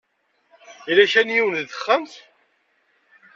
Yella ka n yiwen deg texxamt?